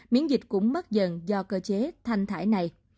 miễn dịch cũng mất dần do cơ chế thanh thải này